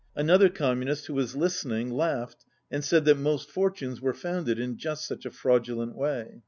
Another Communist, who was listening, laughed, and said that most fortunes were founded in just such a fraudulent way.